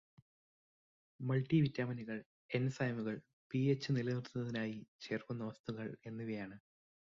multi വിറ്റാമിനുകൾ, എൻസൈമുകള്, P H നിലനിർത്തുന്നതിനായി ചേര്ക്കുന്ന വസ്തുക്കള് എന്നിവയാണ്